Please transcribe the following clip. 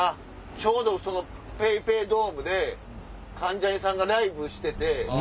ちょうどＰａｙＰａｙドームで関ジャニさんがライブしてて。